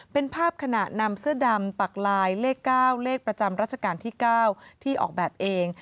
เป็นภาพขณะนำเสื้อดำปักลายเลข๙เลขประจำรัชกาลที่๙ที่ออกแบบเอง